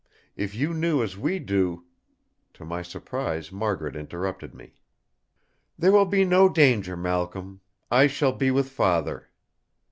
If you knew as we do—" To my surprise Margaret interrupted me: "There will be no danger, Malcolm. I shall be with Father!"